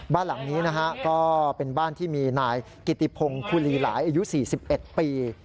บ้านหลังนี้นะฮะก็เป็นบ้านที่มีนายกิติพงศ์คุลีหลายอายุ๔๑ปี